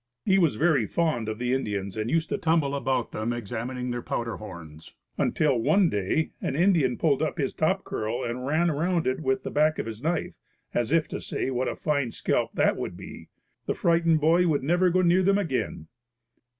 He was very fond of the Indians and used to tumble about them examining their powder horns, until one day an Indian pulled up his top curl and ran around it with the back of his knife as if to say what a fine scalp that would be. The frightened boy never would go near them again.